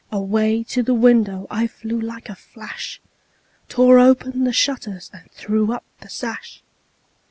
Away to the window I flew like a flash, Tore open the shutters, and threw up the sash.